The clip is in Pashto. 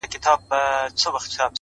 د ژوند رنګ د فکر له رنګ بدلېږي